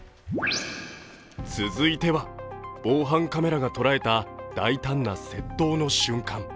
続いては、防犯カメラが捉えた大胆な窃盗の瞬間。